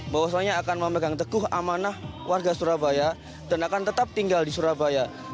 bahwasannya akan memegang teguh amanah warga surabaya dan akan tetap tinggal di surabaya